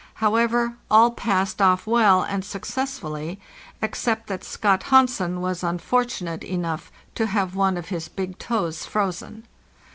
How ever, all passed off well and successfully, except that Scott Hansen was unfortunate enough to have one of his big toes frozen.